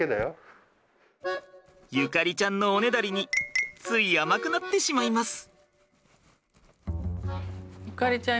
縁ちゃんのおねだりについ甘くなってしまいます。